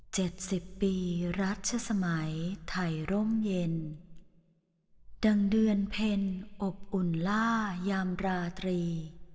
สิบปีรัชสมัยไทยร่มเย็นดังเดือนเพ็ญอบอุ่นล่ายามราตรี